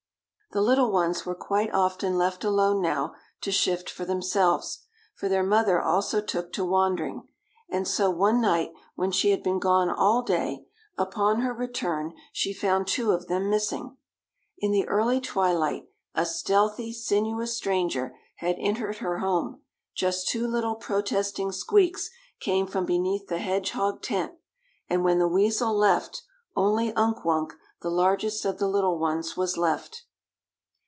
The little ones were quite often left alone now to shift for themselves, for their mother also took to wandering, and so one night when she had been gone all day, upon her return she found two of them missing. In the early twilight a stealthy, sinuous stranger had entered her home; just two little protesting squeaks came from beneath the hedgehog tent, and when the weasel left, only Unk Wunk, the largest of the little ones, was left.